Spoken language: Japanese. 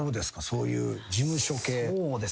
そういう事務所系。